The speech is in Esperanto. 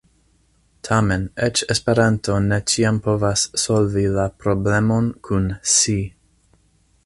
Tamen, eĉ Esperanto ne ĉiam povas solvi la problemon kun "si".